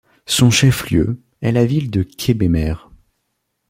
Son chef-lieu est la ville de Kébémer.